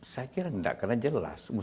saya kira gak kena jelas